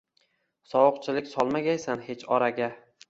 Sovuqchilik solmagaysan hech oraga.